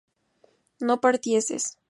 no partieses